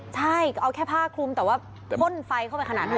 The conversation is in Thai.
ใช่เอาแค่ผ้าคลุมแต่ว่าพ่นไฟเข้าไปขนาดนั้น